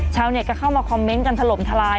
ชาวเน็ตก็เข้ามาคอมเมนต์กันถล่มทลาย